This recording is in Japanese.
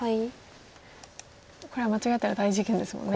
これは間違えたら大事件ですもんね。